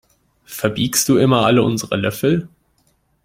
Verbiegst du immer alle unsere Löffel?